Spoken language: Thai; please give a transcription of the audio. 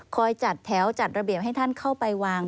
จัดแถวจัดระเบียบให้ท่านเข้าไปวาง